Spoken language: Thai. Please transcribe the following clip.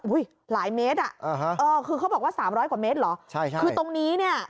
หลายเมตรอ่ะอ่าฮะเออคือเขาบอกว่าสามร้อยกว่าเมตรเหรอใช่ใช่คือตรงนี้เนี่ย